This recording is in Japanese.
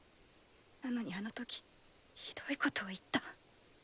なのにあのときひどいことを言った。